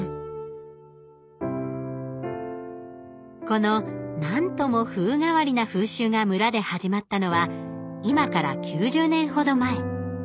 この何とも風変わりな風習が村で始まったのは今から９０年ほど前。